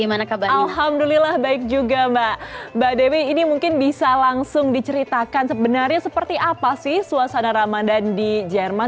alhamdulillah baik juga mbak dewi ini mungkin bisa langsung diceritakan sebenarnya seperti apa sih suasana ramadan di jerman